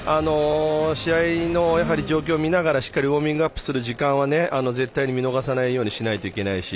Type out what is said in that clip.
試合の状況を見ながらしっかりウォーミングアップする時間を絶対に見逃さないようにしないといけないし。